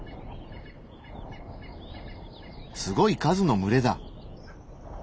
すごい数の群れだ。